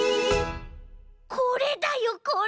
これだよこれ！